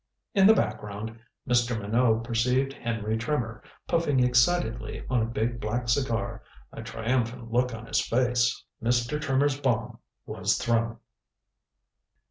In the background Mr. Minot perceived Henry Trimmer, puffing excitedly on a big black cigar, a triumphant look on his face. Mr. Trimmer's bomb was thrown.